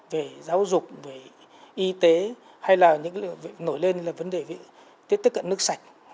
về giáo dục về y tế hay là những nổi lên là vấn đề về tiếp cận nước sạch